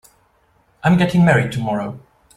I'm getting married tomorrow.